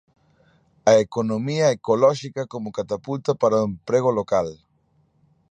A economía ecolóxica como catapulta para o emprego local.